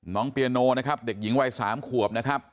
เปียโนนะครับเด็กหญิงวัย๓ขวบนะครับ